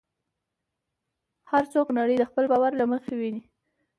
هر څوک نړۍ د خپل باور له مخې ویني.